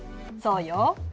そうよ。